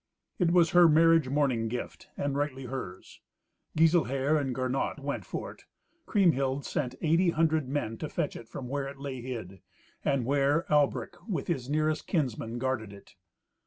It was her marriage morning gift, and rightly hers. Giselher and Gernot went for it. Kriemhild sent eighty hundred men to fetch it from where it lay hid, and where Albric with his nearest kinsmen guarded it.